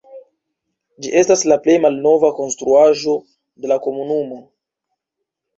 Ĝi estas la plej malnova konstruaĵo de la komunumo.